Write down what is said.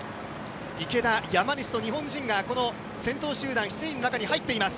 池田、山西と日本人が先頭集団７人の中に入っています。